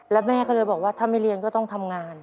แล้วแม่ก็เลยบอกว่าถ้าไม่เรียนก็ต้องทำงาน